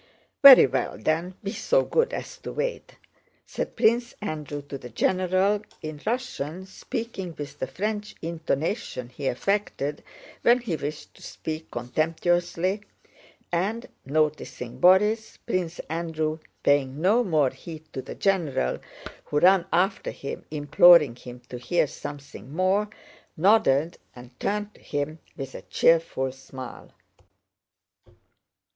"Very well, then, be so good as to wait," said Prince Andrew to the general, in Russian, speaking with the French intonation he affected when he wished to speak contemptuously, and noticing Borís, Prince Andrew, paying no more heed to the general who ran after him imploring him to hear something more, nodded and turned to him with a cheerful smile.